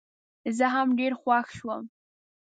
زه هم ډېر خوښ شوم.